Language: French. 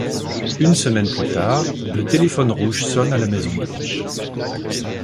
Une semaine plus tard, le téléphone rouge sonne à la Maison Blanche.